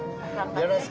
よろしく。